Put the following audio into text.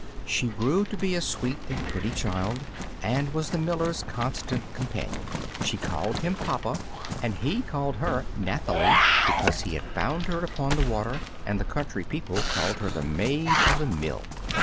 She grew to be a sweet and pretty child, and was the miller's constant companion. She called him "papa," and he called her Nathalie, because he had found her upon the water, and the country people called her the Maid of the Mill.